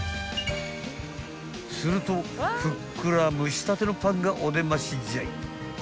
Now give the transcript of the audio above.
［するとふっくら蒸したてのパンがお出ましじゃい］